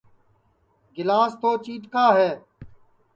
گِلاس تو چِیٹکا ہے